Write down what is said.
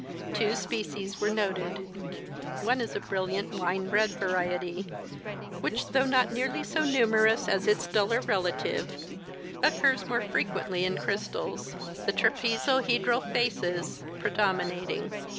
Two species were noted : one is a brilliant wine red variety, which, though not nearly so numerous as its duller relative, occurs more fre quently in crystals — the trapezohedral faces (211, 2 2) predominating.